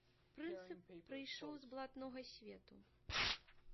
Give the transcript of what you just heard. Прынцып прыйшоў з блатнога свету.